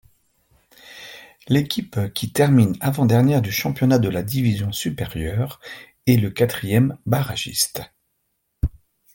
L'équipe qui termine avant-dernière du championnat de la division supérieure est le quatrième barragiste.